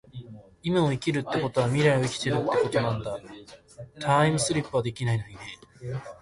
今を生きるってことは未来を生きているってことなんだ。タァイムリィプはできないのにね